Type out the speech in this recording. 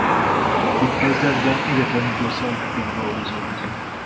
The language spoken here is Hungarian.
Itt kezdetben egyetemi docensként dolgozott.